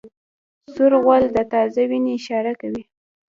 سور غول د تازه وینې اشاره کوي.